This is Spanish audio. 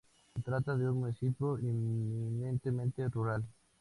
Se trata de un municipio eminentemente rural.